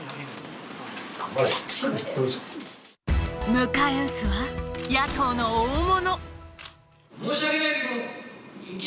迎え撃つは野党の大物。